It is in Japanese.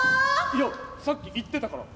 いやさっき言ってたから。